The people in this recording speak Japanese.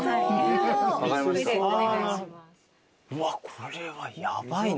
・これはヤバいな。